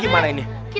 kita ambil tandunya dulu